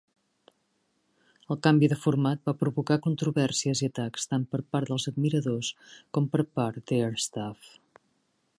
El canvi de format va provocar controvèrsies i atacs tant per part dels admiradors com per part d'airstaff.